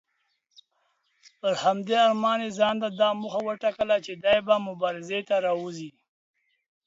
پر همدې ارمان یې ځانته دا موخه وټاکله چې دی به مبارزې ته راوځي.